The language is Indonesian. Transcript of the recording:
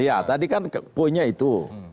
iya tadi kan poinnya itu